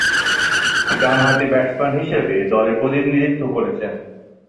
ডানহাতি ব্যাটসম্যান হিসেবে দলে প্রতিনিধিত্ব করছেন।